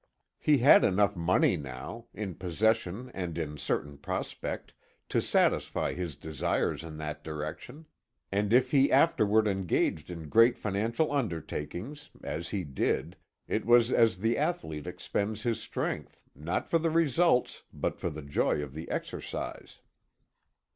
He had enough money now, in possession and in certain prospect, to satisfy his desires in that direction, and if he afterward engaged in great financial undertakings, as he did, it was as the athlete expends his strength, not for results, but for the joy of the exercise.